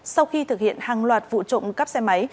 sau khi thực hiện hàng loạt vụ trộm cắp xe máy